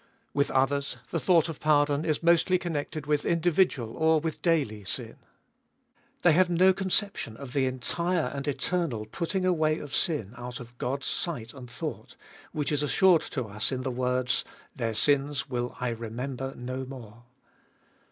With others the thought of pardon is mostly connected with individual or with daily sin. They have no conception of the entire and eternal putting away of sin out of God's sight and thought, which is assured to us in the words : Their sins will I remember no more.